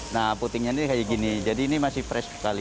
nah putingnya ini kayak gini jadi ini masih fresh sekali